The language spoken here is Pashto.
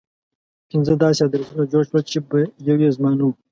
پنځه داسې ادرسونه جوړ شول چې يو يې زما نه و.